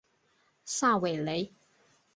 萨韦雷。